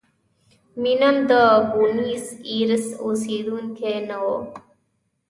مینم د بونیس ایرس اوسېدونکی نه و.